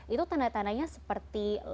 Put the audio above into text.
itu tanda tandanya seperti